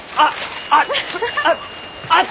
あっ！